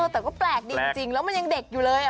แต่ก็แปลกดีจริงแล้วมันยังเด็กอยู่เลย